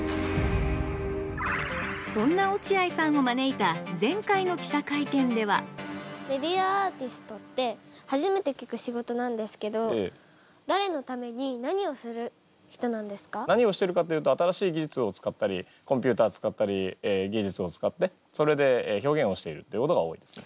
そんな落合さんを招いた前回の記者会見ではメディアアーティストって初めて聞く仕事なんですけど何をしてるかっていうと新しい技術を使ったりコンピューター使ったり技術を使ってそれで表現をしているっていうことが多いですね。